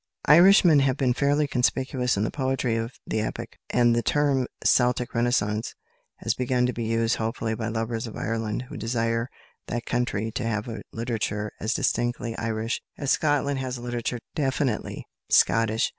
Irishmen have been fairly conspicuous in the poetry of the epoch, and the term "Celtic Renaissance" has begun to be used hopefully by lovers of Ireland who desire that country to have a literature as distinctly Irish as Scotland has a literature definitely Scottish.